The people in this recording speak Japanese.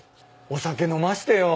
お酒飲ましてよ。